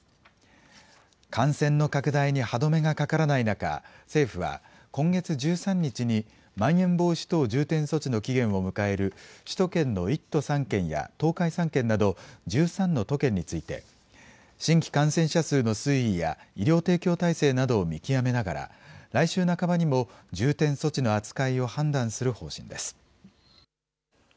感染の拡大に歯止めがかからない中、政府は、今月１３日にまん延防止等重点措置の期限を迎える、首都圏の１都３県や、東海３県など、１３の都県について、新規感染者数の推移や、医療提供体制などを見極めながら、来週半ばにも、重点措置の扱いを判断する方針です。